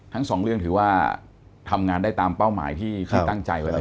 ทั้งสองเรื่องถือว่าทำงานได้ตามเป้าหมายที่ตั้งใจไว้แล้ว